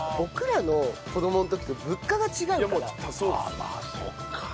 ああまあそっか。